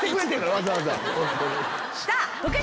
わざわざ。